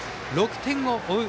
６点を追う